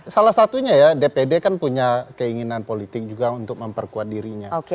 salah satunya ya dpd kan punya keinginan politik juga untuk memperkuat dirinya